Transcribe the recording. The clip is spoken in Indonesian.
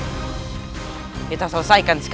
urusan kita waktu itu belum selesai